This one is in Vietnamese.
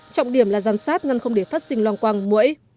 trọng điểm là giam sát ngăn không để phát sinh long quăng mũi